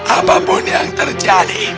apapun yang terjadi